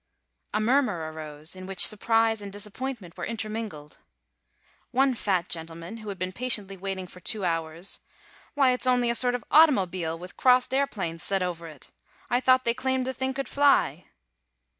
A murmur arose, in which surprise and disappointment were intermingled. One fat gentleman, who had been patiently waiting for two hours, exclaimed: "Why, it's only a sort of automobile, with crossed airplanes set over it! I thought they claimed the thing could fly."